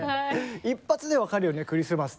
１発で分かるよねクリスマスって。